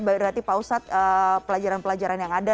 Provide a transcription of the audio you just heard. berarti pak ustadz pelajaran pelajaran yang ada